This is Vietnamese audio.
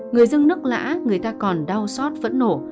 người dân nước lã người ta còn đau xót phẫn nổ